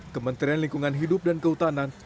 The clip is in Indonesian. kementerian lingkungan hidup dan kehutanan